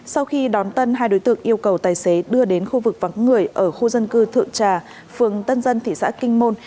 sau khi đón tân hai đối tượng yêu cầu tài xế đưa đến khu vực vắng người ở khu dân cư thượng trà phường tân dân thị xã kinh môn